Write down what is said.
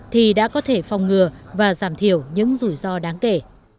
thì đã có thể phòng ngừa và giảm thiểu những rủi ro đáng kể